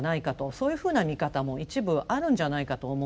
そういうふうな見方も一部あるんじゃないかと思うんですよね。